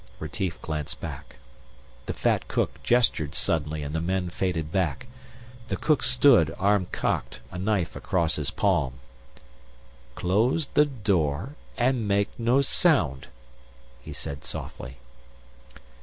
Retief glanced back. The fat cook gestured suddenly, and the men faded back. The cook stood, arm cocked, a knife across his palm. "Close the door and make no sound," he said softly.